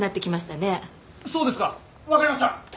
そうですか分かりました！